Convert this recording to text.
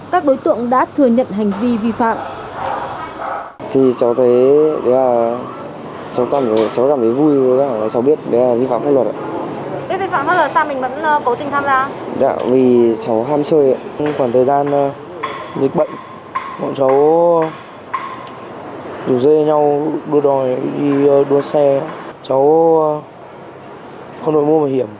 các đối tượng đã thừa nhận hành vi vi phạm